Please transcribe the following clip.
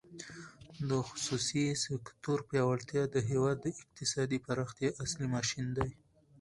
د خصوصي سکتور پیاوړتیا د هېواد د اقتصادي پراختیا اصلي ماشین دی.